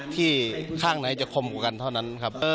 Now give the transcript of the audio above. ที่ข้างในจะคมกว่ากันเท่านั้นครับ